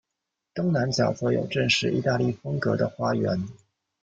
东南角则有正式意大利风格的花园。